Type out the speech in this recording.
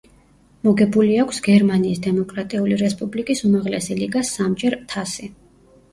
მოგებული აქვს გერმანიის დემოკრატიული რესპუბლიკის უმაღლესი ლიგა სამჯერ თასი.